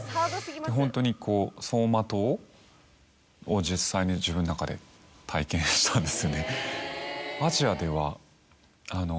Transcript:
ホントにこう走馬灯を実際に自分の中で体験したんですよね。